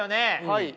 はい。